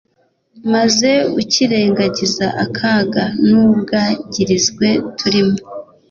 maze ukirengagiza akaga n'ubwagirizwe turimo